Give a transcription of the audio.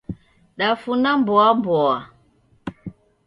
Dafuna mboa mboa